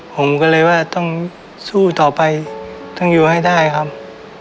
ผมก็เลยว่าต้องสู้ต่อไปต้องอยู่ให้ได้ครับ